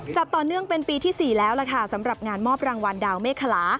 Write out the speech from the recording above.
จัดต่อเนื่องเป็นปีที่๔แล้วล่ะค่ะสำหรับงานมอบรางวัลดาวเมคลา